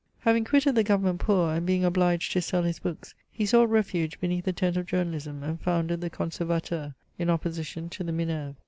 Having quitted the Government poor, and being obliged to sell his books/ he sought refuge beneath the tent of journa lism, and foi^nded the Comservatettr, in opposition to the Minerve.